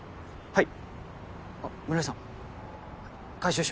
はい。